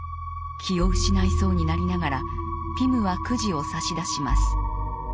気を失いそうになりながらピムはくじを差し出します。